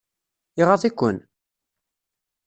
Iɣaḍ-iken?